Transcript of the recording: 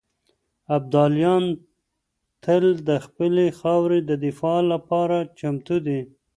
ابداليان تل د خپلې خاورې د دفاع لپاره چمتو دي.